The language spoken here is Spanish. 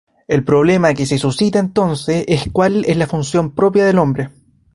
El problema que se suscita, entonces, es cuál es la función propia del hombre.